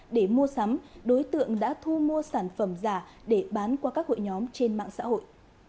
nắm đối tượng đã thu mua sản phẩm giả để bán qua các hội nhóm trên mạng xã hội